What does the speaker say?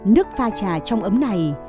nước pha trà trong ấm này